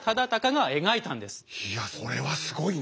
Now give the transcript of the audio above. いやそれはすごいね。